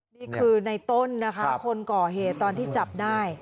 นี่คือในต้นนะคะคนก่อเหตุตอนที่จับได้